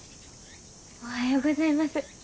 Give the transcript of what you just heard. おはようございます。